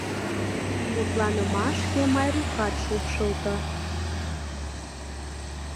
Мутланымашке Майрукат шупшылто.